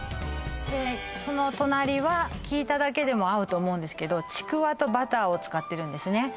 その隣は聞いただけでも合うと思うんですけどちくわとバターを使ってるんですね